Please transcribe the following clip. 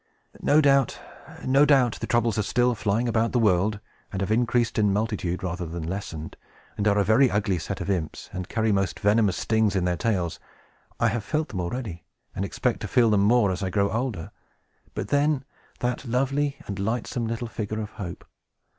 No doubt no doubt the Troubles are still flying about the world, and have increased in multitude, rather than lessened, and are a very ugly set of imps, and carry most venomous stings in their tails. I have felt them already, and expect to feel them more, as I grow older. But then that lovely and lightsome little figure of Hope!